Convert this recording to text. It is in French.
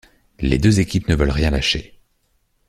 Les deux équipes ne veulent rien lâcher.